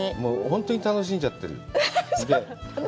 本当に楽しんじゃってる。